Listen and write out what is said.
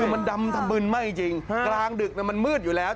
คือมันดำทำมึนมากจริงกลางดึกมันมืดอยู่แล้ว